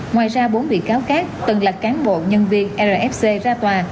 ngoài ra bốn bị cáo khác từng là cán bộ nhân viên rfc ra tòa